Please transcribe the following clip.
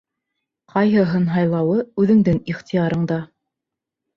Ҡайһыһын һайлауы — үҙенең ихтыярында.